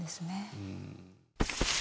うん。